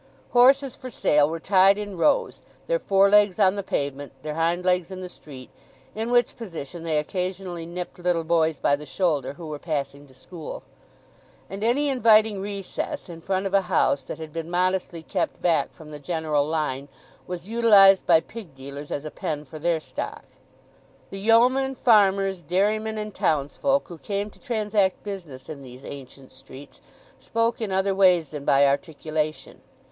Horses for sale were tied in rows, their forelegs on the pavement, their hind legs in the street, in which position they occasionally nipped little boys by the shoulder who were passing to school. And any inviting recess in front of a house that had been modestly kept back from the general line was utilized by pig dealers as a pen for their stock. The yeomen, farmers, dairymen, and townsfolk, who came to transact business in these ancient streets, spoke in other ways than by articulation.